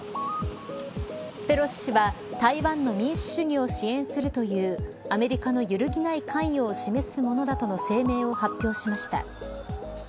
ペロシ氏は台湾の民主主義を支援するというアメリカの揺るぎない関与を示すものだとの声明を発表しました。